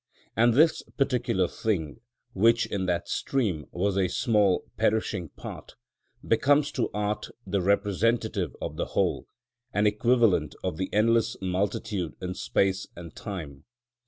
And this particular thing, which in that stream was a small perishing part, becomes to art the representative of the whole, an equivalent of the endless multitude in space and time.